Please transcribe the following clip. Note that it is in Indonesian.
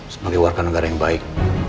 sebagai warga negara yang baik